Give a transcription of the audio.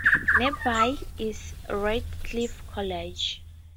Nearby is Ratcliffe College.